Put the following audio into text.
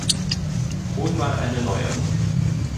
Hol mal eine neue.